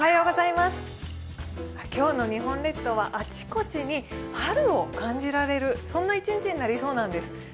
今日の日本列島は、あちこちに春を感じられるそんな１日になりそうなんです。